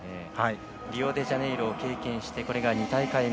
リオデジャネイロを経験しこれが２大会目。